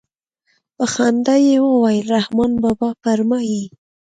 په خندا يې وويل رحمان بابا فرمايي.